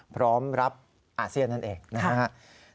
พร้อมรับอาเซียนนั่นเองนะครับ